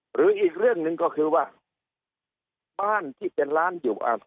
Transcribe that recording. หรืออีกเรื่องหนึ่งก็คือว่าบ้านที่เป็นร้านอยู่อาศัย